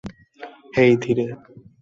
হেই, ধীরে।